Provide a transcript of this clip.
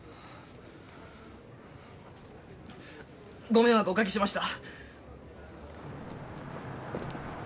ご迷惑おかけしました。